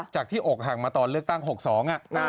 จากที่อกหักมาตอนเลือกตั้ง๖๒